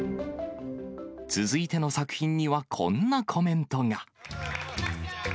続いての作品にはこんなコメントが。